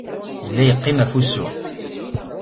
Yella yeqqim ɣef usu.